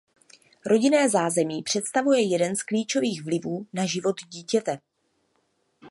Rodinné zázemí představuje jeden z klíčových vlivů na život dítěte.